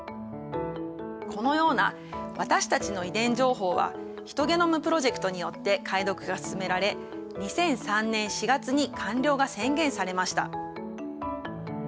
このような私たちの遺伝情報はヒトゲノムプロジェクトによって解読が進められ２００３年４月に完了が宣言されました。